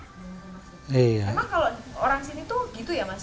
emang kalau orang sini tuh gitu ya mas